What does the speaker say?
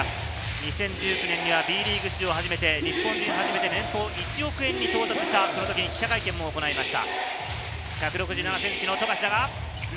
２０１９年にはＢリーグ史上初めて、日本人で初めて年俸１億円に到達したその時に記者会見も行いました。